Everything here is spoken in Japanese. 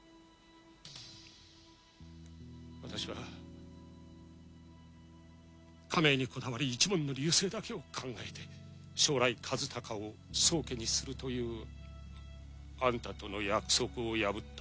私は家名にこだわり一門の隆盛だけを考えて将来和鷹を宗家にするというアンタとの約束を破った。